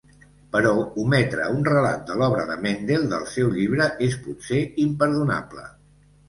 Però ometre un relat de l'obra de Mendel del seu llibre és, potser, imperdonable.